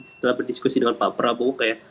setelah berdiskusi dengan pak prabowo kayak